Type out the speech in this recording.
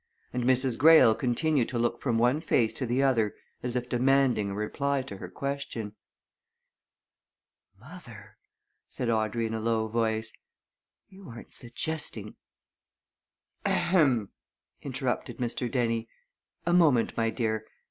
And Mrs. Greyle continued to look from one face to the other as if demanding a reply to her question. "Mother!" said Audrey in a low voice. "You aren't suggesting " "Ahem!" interrupted Mr. Dennie. "A moment, my dear.